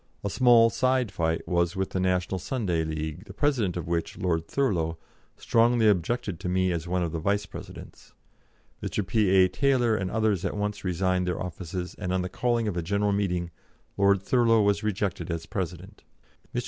A small side fight was with the National Sunday League, the president of which, Lord Thurlow, strongly objected to me as one of the vice presidents. Mr. P.A. Taylor and others at once resigned their offices, and, on the calling of a general meeting, Lord Thurlow was rejected as president. Mr.